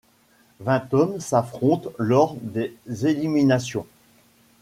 Vingt hommes s'affrontent lors des éliminations.